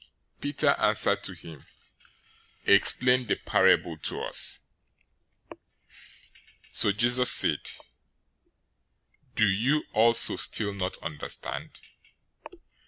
015:015 Peter answered him, "Explain the parable to us." 015:016 So Jesus said, "Do you also still not understand?